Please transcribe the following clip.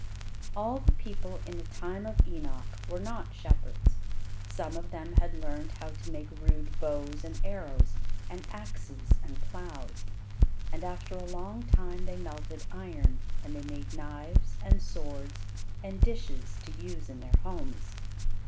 All the people in the time of Enoch were not shepherds. Some of them had learned how to make rude bows and arrows and axes and plows. And after a long time they melted iron, and they made knives and swords and dishes to use in their homes.